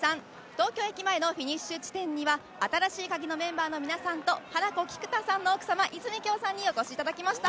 東京駅前のフィニッシュ地点には『新しいカギ』のメンバーの皆さんとハナコ菊田さんの奥さま和泉杏さんにお越しいただきました。